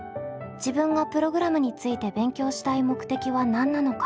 自分がプログラムについて勉強したい目的は何なのか。